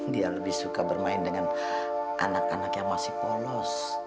dia lebih suka bermain dengan anak anak yang masih polos